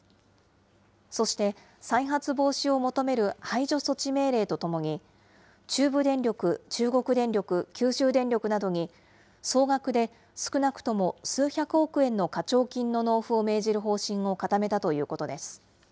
そして、再発防止を求める排除措置命令とともに、中部電力、中国電力、九州電力などに、総額で少なくとも数百億円の課徴金の納付を命じる方針を固めたということです。